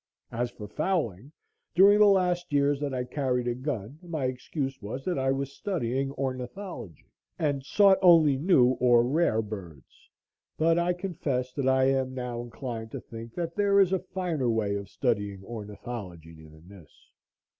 As for fowling, during the last years that I carried a gun my excuse was that I was studying ornithology, and sought only new or rare birds. But I confess that I am now inclined to think that there is a finer way of studying ornithology than this.